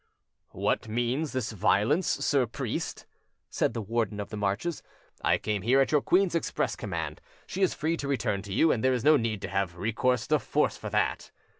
"What means this violence, sir priest?" said the Warden of the Marches. "I came here at your queen's express command; she is free to return to you, and there is no need to have recourse to force for that".